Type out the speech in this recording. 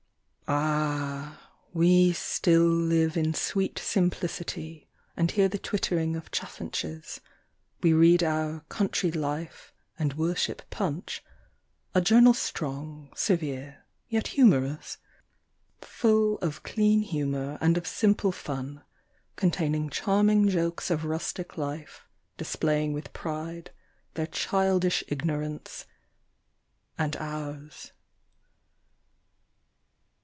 Ah! we still live in sweet simplicity And hear the twittering of chaffinches ; We read our ' Country Life ' and worship ' Punch ' (A journal strong, severe, yet humorous) Full of clean humour and of simple fun, Containing charming jokes of rustic life Displaying with pride, their childish ignorance, — And ours.